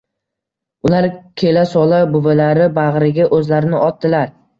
Ular kelasola buvilari bag`riga o`zlarini otdilar